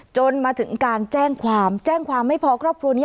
จนมาถึงการแจ้งความแจ้งความไม่พอครอบครัวนี้